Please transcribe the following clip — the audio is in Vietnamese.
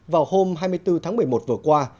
vào hôm hai mươi bốn tháng một mươi một vừa qua